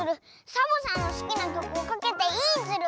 サボさんのすきなきょくをかけていいズル！